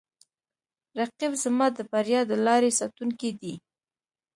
رقیب زما د بریا د لارې ساتونکی دی